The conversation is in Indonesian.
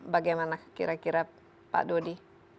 bagaimana kira kira pak dodi